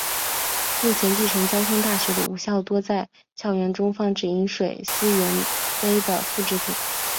目前继承交通大学的五校多在校园中放置饮水思源碑的复制品。